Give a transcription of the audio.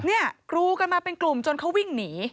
กรูกันมาเป็นกลุ่มจนเขาวิ่งหนี